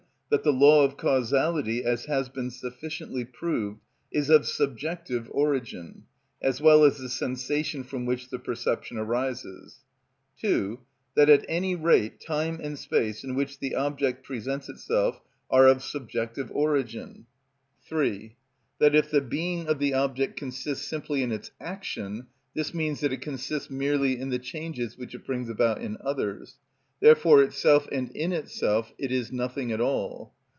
that the law of causality, as has been sufficiently proved, is of subjective origin, as well as the sensation from which the perception arises; (2.) that at any rate time and space, in which the object presents itself, are of subjective origin; (3.) that if the being of the object consists simply in its action, this means that it consists merely in the changes which it brings about in others; therefore itself and in itself it is nothing at all.